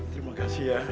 terima kasih ya